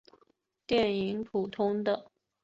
电影普遍地得到负面评价及票房失败。